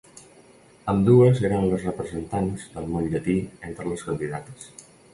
Ambdues eren les representants del món llatí entre les candidates.